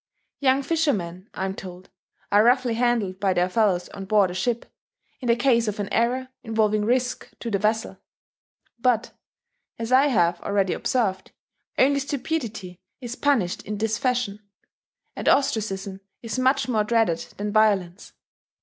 Young fishermen, I am told, are roughly handled by their fellows on board a ship, in the case of any error involving risk to the vessel. But, as I have already observed, only stupidity is punished in this fashion; and ostracism is much more dreaded than violence.